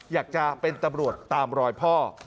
อยากจะเป็นตำรวจตามรอยพ่อ